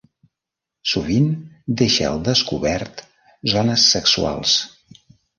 Sovint deixa al descobert zones sexuals.